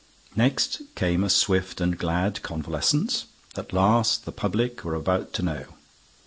Next came a swift and glad convalescence. At last, the public were about to know!